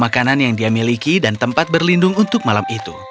makanan yang dia miliki dan tempat berlindung untuk malam itu